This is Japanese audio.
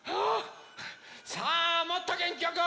さあもっとげんきよく！